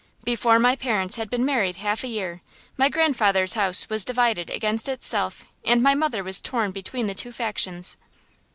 Before my parents had been married half a year, my grandfather's house was divided against itself and my mother was torn between the two factions.